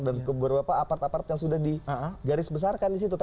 dan ke beberapa apart apart yang sudah digarisbesarkan disitu